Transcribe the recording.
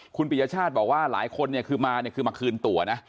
คุณปิชชาติบอกว่าหลายคนนี่คือมาคืนตัวนะ